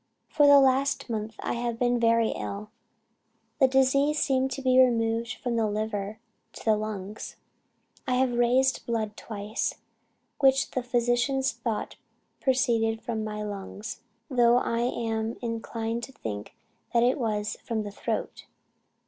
"For the last month I have been very ill. The disease seemed to be removed from the liver to the lungs. I have raised blood twice, which the physicians thought proceeded from the lungs, though I am inclined to think it was from the throat.